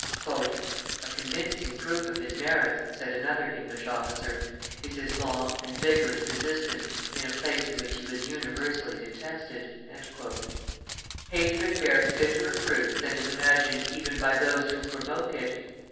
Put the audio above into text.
"A convincing proof of his merits," said another English officer, "is his long and vigorous resistance in a place in which he was universally detested." [Illustration: Lally at Pondicherry 184] Hatred bears bitterer fruits than is imagined even by those who provoke it.